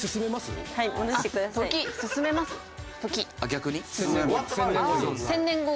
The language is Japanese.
逆に？